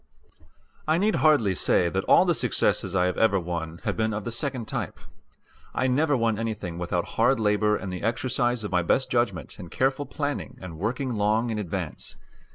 I need hardly say that all the successes I have ever won have been of the second type. I never won anything without hard labor and the exercise of my best judgment and careful planning and working long in advance.